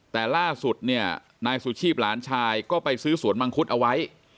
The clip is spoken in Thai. แต่ล่าสุดเนี่ยนายสุชีพหลานชายก็ไปซื้อสวนมังคุดเอาไว้